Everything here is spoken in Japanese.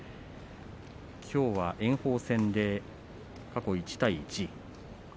きょうは炎鵬戦で過去１対１。